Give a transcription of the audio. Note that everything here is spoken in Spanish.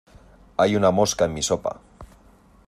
Hay una mosca en mi sopa.